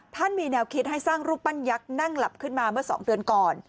มีแนวคิดให้สร้างรูปปั้นยักษ์นั่งหลับขึ้นมาเมื่อ๒เดือนก่อน